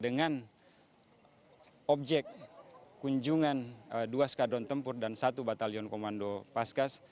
dengan objek kunjungan dua skadron tempur dan satu batalion komando paskas